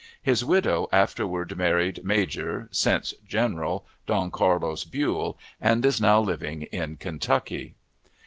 His widow afterward married Major (since General) Don Carlos Buell, and is now living in Kentucky.